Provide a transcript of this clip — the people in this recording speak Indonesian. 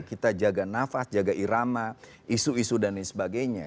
kita jaga nafas jaga irama isu isu dan lain sebagainya